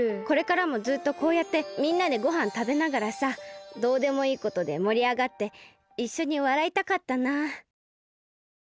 これからもずっとこうやってみんなでごはんたべながらさどうでもいいことでもりあがっていっしょにわらいたかったな。